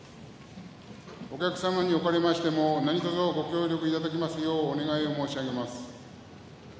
お客様におかれましても何とぞ、ご協力いただけますようお願い申し上げます。